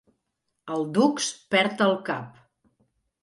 El dux perd el cap.